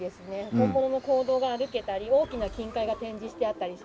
本物の坑道が歩けたり大きな金塊が展示してあったりします。